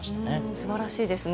すばらしいですね。